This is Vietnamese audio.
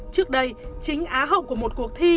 trước đây chính á hậu của một cuộc thi